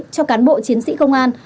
cho cán bộ chiến sĩ công an